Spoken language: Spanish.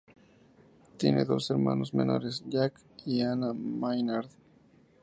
Tiene dos hermanos menores, Jack y Anna Maynard.